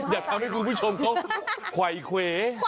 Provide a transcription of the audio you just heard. อยากให้คุณผู้ชมเขาไขว่เขว